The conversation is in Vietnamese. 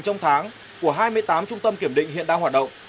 trong tháng của hai mươi tám trung tâm kiểm định hiện đang hoạt động